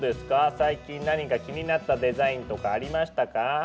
最近何か気になったデザインとかありましたか？